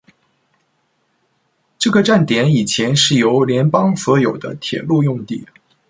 这个站点以前是由联邦所有的铁路用地。